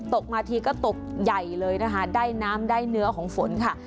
มาทีก็ตกใหญ่เลยนะคะได้น้ำได้เนื้อของฝนค่ะ